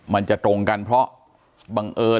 มันจะตรงกันเพราะบังเอิญ